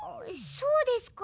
そうですか。